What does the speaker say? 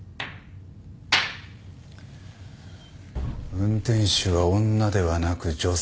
運転手は「女」ではなく「女性」と言った。